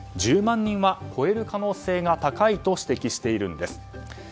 １０万人は超える可能性が高いと指摘しているんです。